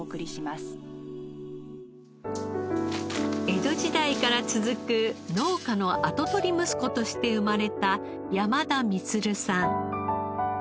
江戸時代から続く農家の跡取り息子として生まれた山田充さん。